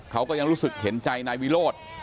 เขาก็ยังรู้สึกเห็นใจนายวิโรธ